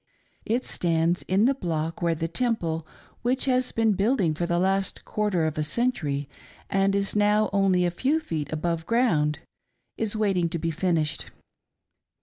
It stands in the block where the Temple, which has been building for the last quarter of a century, and is now only a few feet above ground, is waiting to be finished.